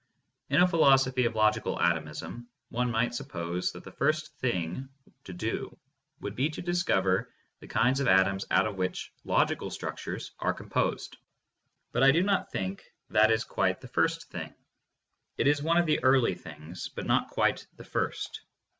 In a philosophy of logical atomism one might suppose that the first thing to do would be to discover the kinds of atoms out of which logical structures are composed. But I do not think that is quite the first thing; it is one of the early things, but not quite the first.